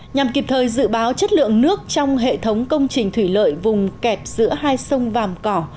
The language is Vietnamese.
nhằm kịp thời dự báo chất lượng nước trong hệ thống công trình thủy lợi vùng kẹp giữa hai sông vàm cỏ